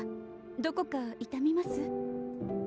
どこか痛みます？